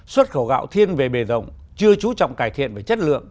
xuất khẩu gạo thiên về bề rộng chưa trú trọng cải thiện về chất lượng